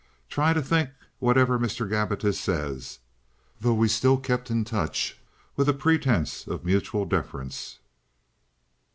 Try to think whatever Mr. Gabbitas says"—though we still kept in touch with a pretence of mutual deference.